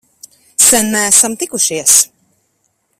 Sen neesam tikušies!